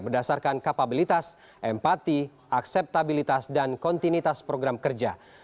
berdasarkan kapabilitas empati akseptabilitas dan kontinuitas program kerja